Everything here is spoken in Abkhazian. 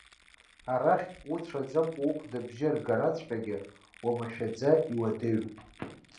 Арахь, уцәаӡамкәа ухәда абжьы аргараҵәҟьагьы уамашәаӡа иуадаҩуп.